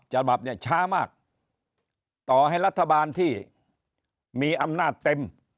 ฉบับเนี่ยช้ามากต่อให้รัฐบาลที่มีอำนาจเต็ม